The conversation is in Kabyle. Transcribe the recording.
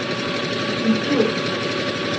Nettu-t.